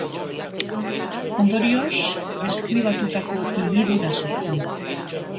Ondorioz, deskribatutako higidura sortzen da.